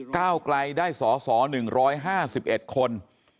ก้าวกลัยได้สอหนึ่งร้อยห้าสิบเอ็ดคน